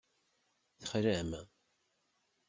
Texlam.